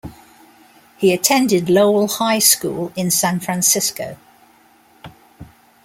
He attended Lowell High School in San Francisco.